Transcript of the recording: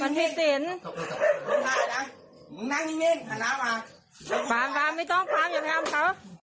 ฟังฟังไม่ต้องฟังอย่าไปทำเขา